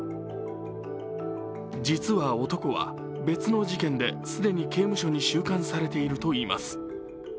実は男は別の事件で既に刑務所に収監されているといいます。